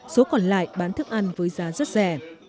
số còn lại bán thức ăn với giá rất rẻ